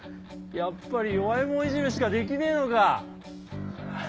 やっぱり弱い者いじめしかできねえのか。